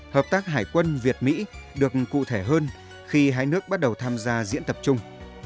hợp tác hải quân việt mỹ được cụ thể hơn khi hai nước bắt đầu tham gia diễn tập chung